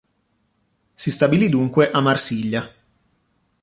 Si stabilì dunque a Marsiglia.